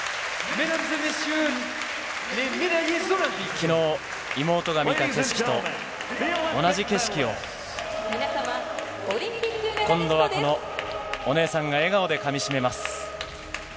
きのう、妹が見た景色と同じ景色を、今度はこのお姉さんが笑顔でかみしめます。